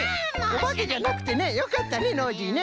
おばけじゃなくてねよかったねノージーね！